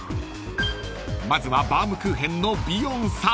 ［まずはバウムクーヘンの］